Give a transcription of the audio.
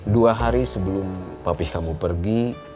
dua hari sebelum papih kamu pergi